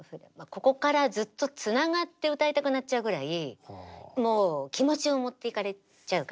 ここからずっとつながって歌いたくなっちゃうぐらいもう気持ちを持っていかれちゃうから。